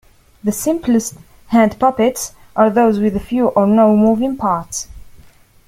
The simplest hand puppets are those with few or no moving parts.